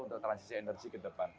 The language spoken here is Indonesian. untuk transisi energi ke depan